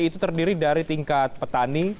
itu terdiri dari tingkat petani